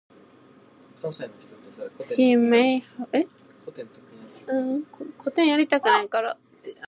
He may have held the office "in absentia".